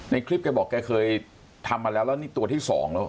ในคลิปแกบอกแกเคยทำมาแล้วแล้วนี่ตัวที่สองแล้ว